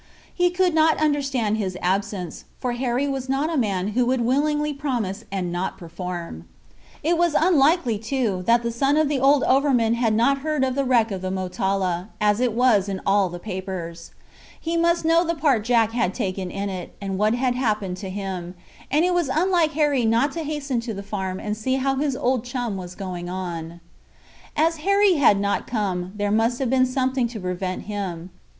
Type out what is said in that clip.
He could not understand his absence, for Harry was not a man who would willingly promise and not perform. It was unlikely, too, that the son of the old overman had not heard of the wreck of the Motala, as it was in all the papers. He must know the part Jack had taken in it, and what had happened to him, and it was unlike Harry not to hasten to the farm and see how his old chum was going on. As Harry had not come, there must have been something to prevent him.